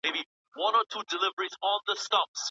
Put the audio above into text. طبي پوهنځۍ بې پوښتني نه منل کیږي.